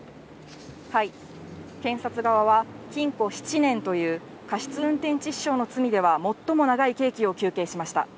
検察側は、禁錮７年という、過失運転致死傷の罪では最も長い刑期を求刑しました。